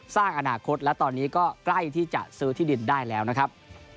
สร้างอนาคตและตอนนี้ก็ใกล้ที่จะซื้อที่ดินได้แล้วนะครับ